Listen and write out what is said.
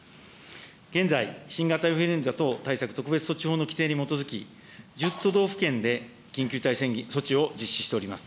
現在、新型インフルエンザ等対策特別措置法の規定に基づいて、１０都道府県で緊急事態措置を実施しております。